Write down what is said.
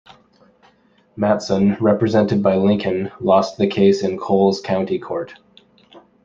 Matson, represented by Lincoln, lost the case in Coles County court.